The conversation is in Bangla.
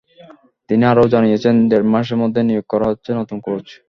তিনি আরও জানিয়েছেন, দেড় মাসের মধ্যেই নিয়োগ করা হচ্ছে নতুন কোচ।